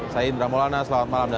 saya indra maulana selamat malam